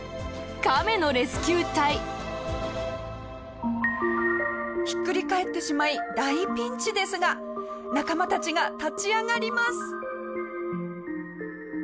カメのレスキュー隊下平：ひっくり返ってしまい大ピンチですが仲間たちが立ち上がります。